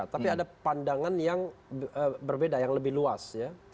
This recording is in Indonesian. tapi ada pandangan yang berbeda yang lebih luas ya